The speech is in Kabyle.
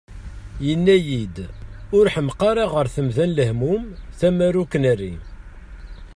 Yenna-iyi-d: « Ur ḥemmeq ara ɣer temda n lehmum, tamara ur k-terri!"